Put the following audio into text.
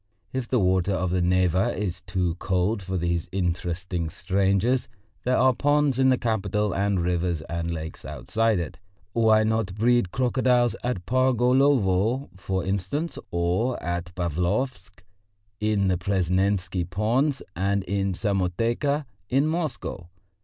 If the water of the Neva is too cold for these interesting strangers, there are ponds in the capital and rivers and lakes outside it. Why not breed crocodiles at Pargolovo, for instance, or at Pavlovsk, in the Presnensky Ponds and in Samoteka in Moscow?